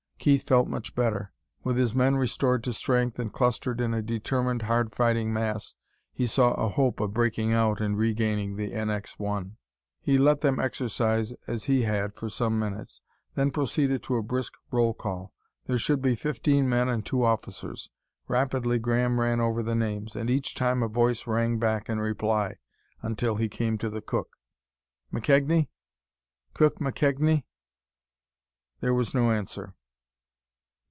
Keith felt much better. With his men restored to strength, and clustered in a determined, hard fighting mass, he saw a hope of breaking out and regaining the NX 1. He let them exercise as he had for some minutes, then proceeded to a brisk roll call. There should be fifteen men and two officers. Rapidly Graham ran over the names, and each time a voice rang back in reply until he came to the cook. "McKegnie?... Cook McKegnie?" There was no answer.